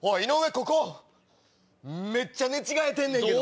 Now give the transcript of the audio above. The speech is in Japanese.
ここめっちゃ寝違えてんねんけど。